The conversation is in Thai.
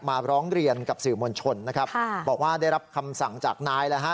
มาร้องเรียนกับสื่อมวลชนนะครับบอกว่าได้รับคำสั่งจากนายแล้วฮะ